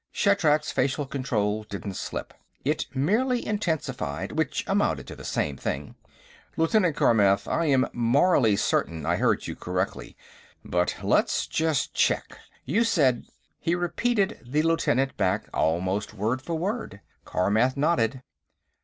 Shatrak's facial control didn't slip. It merely intensified, which amounted to the same thing. "Lieutenant Carmath, I am morally certain I heard you correctly, but let's just check. You said...." He repeated the lieutenant back, almost word for word. Carmath nodded.